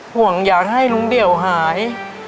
ห่วงอยากให้ลุงเดี่ยวหาย